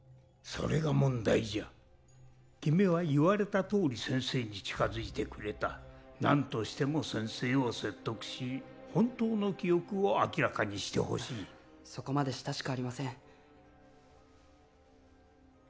それが問題じゃ君は言われたとおり先生に近づいてくれたなんとしても先生を説得し本当の記憶を明らかにしてほしいそこまで親しくありません